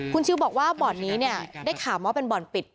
คุณชิวบอกว่าบอร์ดนี้เนี่ยได้ข่าวมองว่าเป็นบอร์ดปิด